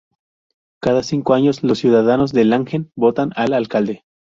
Cada cinco años los ciudadanos de Langen votan al alcalde.